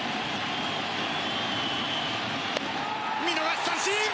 見逃し三振！